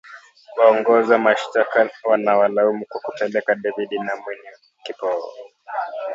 Waongoza mashitaka wanawalaumu kwa kupeleka David Nwamini Ukpo